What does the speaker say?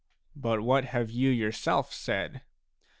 But what have you yourself said?